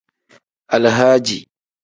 Alahadi.